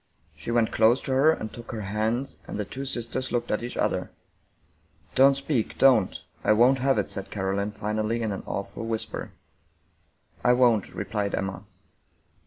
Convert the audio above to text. She went close to her and took her hands, and the two sisters looked at each other. "Don't speak, don't, I won't have it!" said CaroHne finally in an awful whisper. " I won't," replied Emma.